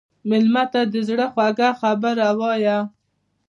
مېلمه ته د زړه خوږه خبره وایه.